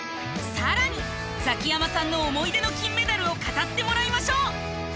さらにザキヤマさんの思い出の金メダルを語ってもらいましょう！